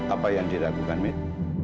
apa yang diragukan min